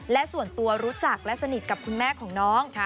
และส่วนตัวรู้จักและสนิทกับคุณแม่ของน้อง